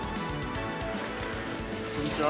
こんにちは。